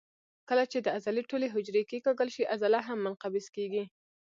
کله چې د عضلې ټولې حجرې کیکاږل شي عضله هم منقبض کېږي.